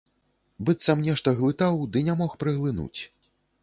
Быццам нешта глытаў ды не мог праглынуць.